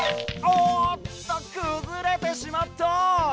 おおっとくずれてしまった！